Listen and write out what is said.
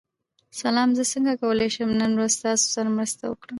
سلام، زه څنګه کولی شم نن ورځ ستاسو سره مرسته وکړم؟